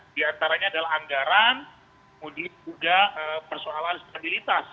di antaranya adalah anggaran kemudian juga persoalan stabilitas